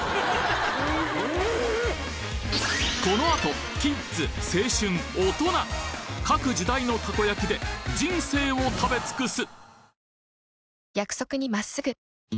このあとキッズ・青春・オトナ各時代のたこ焼きで人生を食べ尽くす！